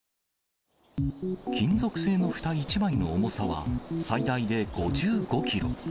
金属製のふた１枚の重さは、最大で５５キロ。